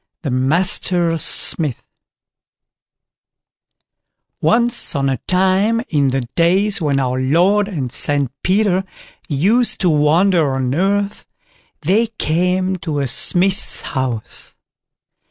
THE MASTER SMITH Once on a time, in the days when our Lord and St Peter used to wander on earth, they came to a smith's house.